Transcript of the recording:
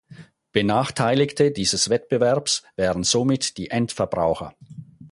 Benachteiligte dieses Wettbewerbs wären somit die Endverbraucher.